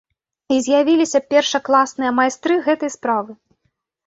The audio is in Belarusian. І з'явіліся першакласныя майстры гэтай справы.